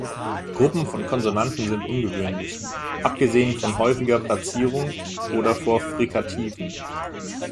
Gruppen von Konsonanten sind ungewöhnlich, abgesehen von häufiger Platzierung oder vor Frikativen.